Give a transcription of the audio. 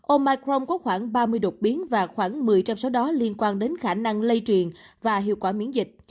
omicron có khoảng ba mươi đột biến và khoảng một mươi trong số đó liên quan đến khả năng lây truyền và hiệu quả miễn dịch